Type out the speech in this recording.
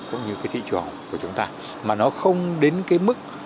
cũng như thị trường của chúng ta mà nó không đến mức